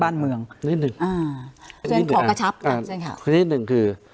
บ้านเมืองนี่หนึ่งอ่ะเจนขอกระชับก่อนเจนค่ะของที่หนึ่งคือ